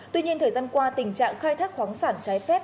tuy nhiên thời gian qua tình trạng khai thác khoáng sản trái phép